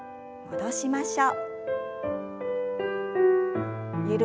戻しましょう。